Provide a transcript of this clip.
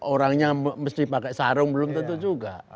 orangnya mesti pakai sarung belum tentu juga